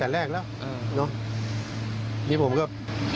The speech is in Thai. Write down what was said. แต่แรกแล้วเนอะนี่ผมก็